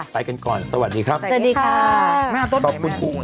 ไปกันก่อนสวัสดีครับ